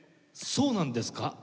そうなんですか？